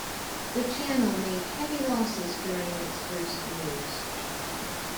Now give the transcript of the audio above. The channel made heavy losses during its first years.